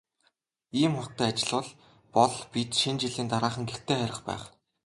Ийм хурдтай ажиллавал бол бид Шинэ жилийн дараахан гэртээ харих байх.